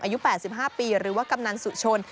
อายุ๘๕ปีหรือว่ากำนันสุชน